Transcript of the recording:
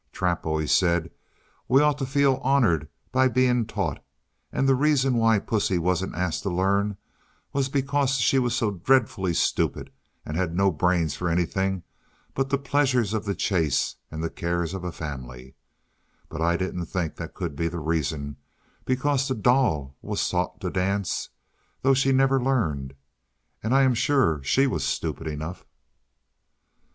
Trap always said we ought to feel honoured by being taught, and the reason why Pussy wasn't asked to learn was because she was so dreadfully stupid, and had no brains for anything but the pleasures of the chase and the cares of a family; but I didn't think that could be the reason, because the doll was taught to dance, though she never learned, and I am sure she was stupid enough.